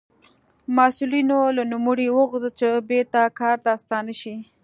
مسوولینو له نوموړي وغوښتل چې بېرته کار ته ستانه شي.